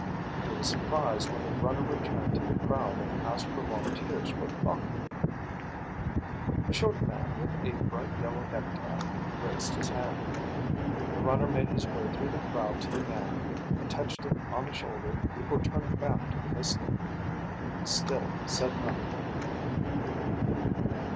He was surprised when the runner returned to the crowd and asked for volunteers for thought reading. A short man with a bright yellow necktie raised his hand. The runner made his way through the crowd to the man and touched him on the shoulder before turning back to the mystic. He still said nothing.